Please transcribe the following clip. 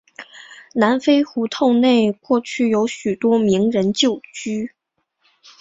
南丰胡同内过去有许多名人旧居。